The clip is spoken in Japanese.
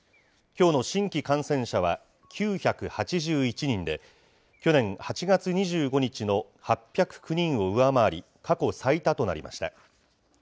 きょうの新規感染者は９８１人で、去年８月２５日の８０９人を上回り、過去最多となりました。